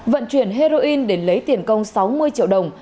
vận chuyển heroin để lấy tiền công sáu mươi triệu đồng